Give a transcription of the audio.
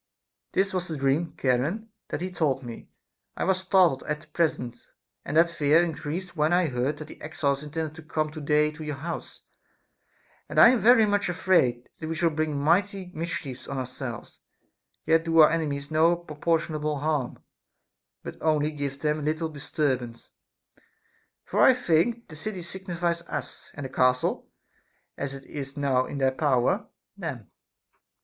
This was the dream, Charon, that he told me. I was startled at the present, and that fear increased when I heard that the exiles intended to come to day to your house, and I am very much afraid that we shall bring mighty mischiefs on ourselves, yet do our enemies no proportionable harm, but only give them a little disturbance ; for I think the city signifies us, and the castle (as it is now in their power) them.